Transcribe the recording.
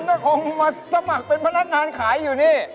เออต่อไปมึงก็คงมาสมัครเป็นพนักงานขายอยู่นี่